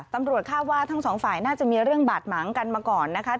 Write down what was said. นายอยากเข้าไหมรู้จักกันครับ